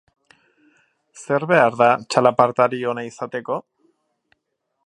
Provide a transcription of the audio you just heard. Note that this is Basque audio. Zer behar da txalapartari ona izateko?